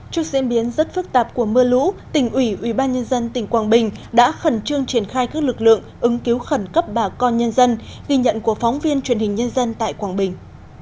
trước diễn biến rất phức tạp của mưa lũ tỉnh ủy ubnd tỉnh quảng bình đã khẩn trương triển khai các lực lượng ứng cứu khẩn cấp bà con nhân dân ghi nhận của phóng viên truyền hình nhân dân tại quảng bình